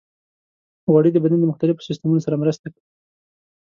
غوړې د بدن د مختلفو سیستمونو سره مرسته کوي.